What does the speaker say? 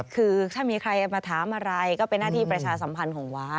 คือถ้ามีใครมาถามอะไรก็เป็นหน้าที่ประชาสัมพันธ์ของวัด